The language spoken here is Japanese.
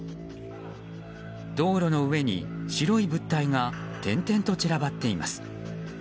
道路の上に白い物体が点々と散らばっています。